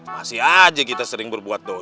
masih aja kita sering berbuat doa